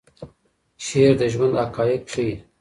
شعر د ژوند حقایق ښیي.